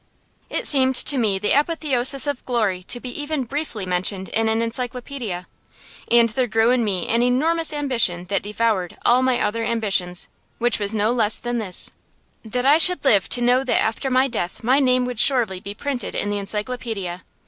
It seemed to me the apotheosis of glory to be even briefly mentioned in an encyclopædia. And there grew in me an enormous ambition that devoured all my other ambitions, which was no less than this: that I should live to know that after my death my name would surely be printed in the encyclopædia.